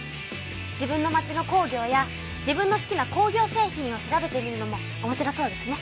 自分の町の工業や自分の好きな工業製品を調べてみるのもおもしろそうですね。